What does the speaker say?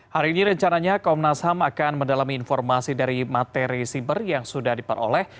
hari ini rencananya komnas ham akan mendalami informasi dari materi siber yang sudah diperoleh